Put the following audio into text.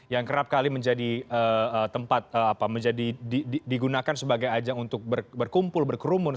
yang kerap kali menjadi tempat digunakan sebagai ajang untuk berkumpul berkerumun